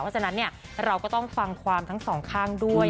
เพราะฉะนั้นเราก็ต้องฟังความทั้งสองข้างด้วย